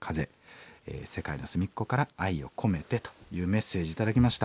世界の隅っこから愛を込めて」というメッセージ頂きました。